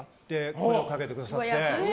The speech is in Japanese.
声をかけてくださって。